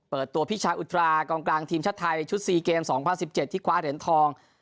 เปิดตัวพิชาอุตรากองกลางทีมชาติไทยชุด๔เกม๒๐๑๗ที่คว้าเหรียญทอง